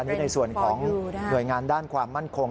นี่ในส่วนของหน่วยงานด้านความมั่นคง